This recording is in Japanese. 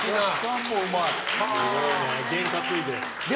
験担いで。